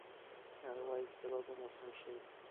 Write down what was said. هغه وایي چې سبا به موسم ښه وي